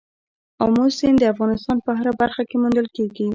آمو سیند د افغانستان په هره برخه کې موندل کېږي.